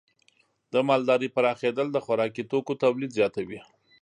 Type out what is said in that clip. د مالدارۍ پراخېدل د خوراکي توکو تولید زیاتوي.